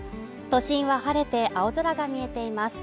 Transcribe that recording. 都心は晴れて青空が見えています